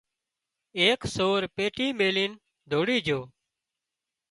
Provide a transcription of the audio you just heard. ايڪ سور پيٽي ميلين ڌوڙي جھو